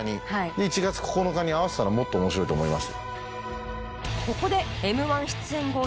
で１月９日に合わせたらもっと面白いと思います。